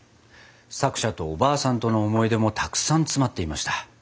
作者とおばあさんとの思い出もたくさん詰まっていました。